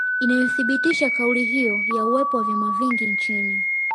Inayothibitisha kauli hiyo ya uwepo wa vyama vingi nchini